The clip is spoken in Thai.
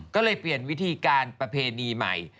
ก็เลยเปลี่ยนวิธีการประเพณีใหม่